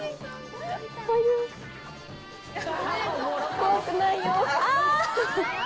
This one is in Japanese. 怖くないよあ！